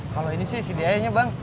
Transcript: kalau ini sih isi diayanya bang